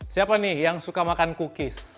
siapa nih yang suka makan cookies